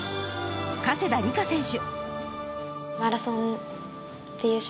加世田梨花選手。